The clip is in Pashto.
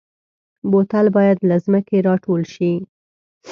بوتل باید له ځمکې راټول شي.